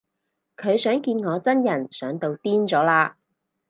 佢想見我真人想到癲咗喇